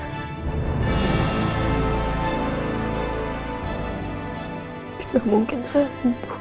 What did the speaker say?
enggak mungkin enggak mungkin saya kumpul dokter